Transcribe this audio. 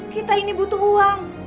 kita ini butuh uang